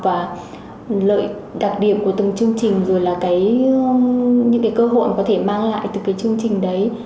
và lợi đặc điểm của từng chương trình rồi là những cái cơ hội mà có thể mang lại từ cái chương trình đấy